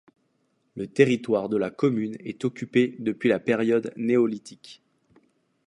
Le territoire de la commune est occupé depuis la période néolithique.